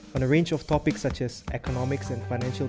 di sebuah jenis topik seperti ekonomi dan pasar finansial